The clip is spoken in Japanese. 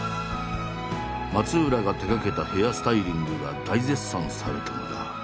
松浦が手がけたヘアスタイリングが大絶賛されたのだ。